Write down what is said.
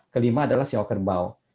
kelima adalah siu kerbau